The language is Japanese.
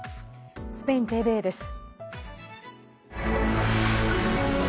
スペインＴＶＥです。